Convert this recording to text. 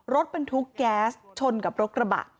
รถเป็นทุกข์แก๊สชนกับรถกระบะ